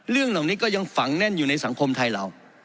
เรื่องเหล่านี้ก็ยังฝังแน่นอยู่ในสังคมไทยเรา